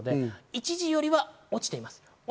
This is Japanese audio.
一時よりは落ちています。